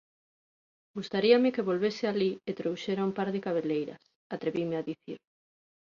Gustaríame que volvese alí e trouxera un par de cabeleiras −atrevinme a dicir.